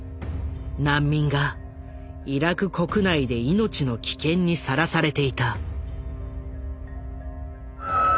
難民がイラク国内で命の危険にさらされていた。